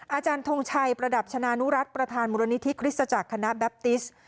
อาจารย์ทงชัยประดับชนะนุรัติประธานมูลนิธิคริสตจักรคณะแบปติส